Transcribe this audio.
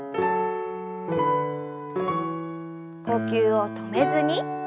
呼吸を止めずに。